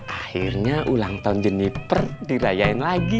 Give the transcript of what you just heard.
akhirnya ulang tahun jeniper dirayain lagi